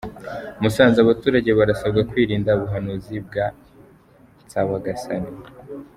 Musanze Abaturage barasabwa kwirinda ubuhanuzi bwa Nsabagasani